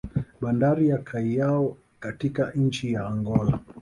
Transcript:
Bandari ya Caio katika nchi ya Angola